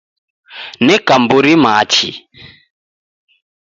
Neka mburi machi